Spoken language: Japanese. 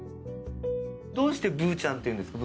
どうして「ぶーちゃん」っていうんですか？